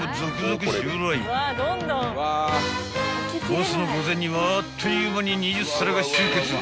［ボスの御前にはあっという間に２０皿が集結］